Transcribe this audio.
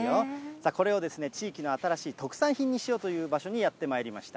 さあ、これを地域の新しい特産品にしようという場所にやってまいりました。